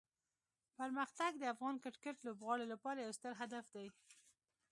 پرمختګ د افغان کرکټ لوبغاړو لپاره یو ستر هدف دی.